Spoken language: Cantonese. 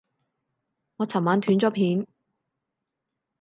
你尋晚斷咗片